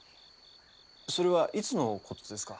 それはいつの事ですか？